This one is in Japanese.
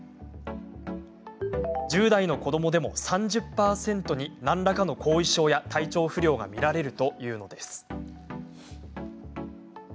１０代の子どもでも３０％に何らかの後遺症や体調不良が見られるというのです。